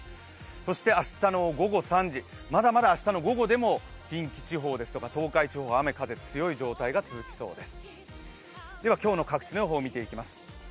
そして明日の午後３時まだまだ明日の午後でも近畿地方ですとか東海地方雨・風強い状態が続きそうです。